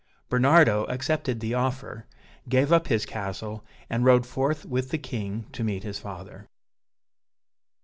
Bernardo accepted the offer, gave up his castle, and rode forth with the king to meet his father.)